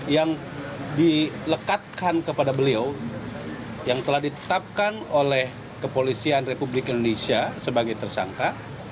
yang dilekatkan kepada beliau yang telah ditetapkan oleh kepolisian republik indonesia sebagai tersangka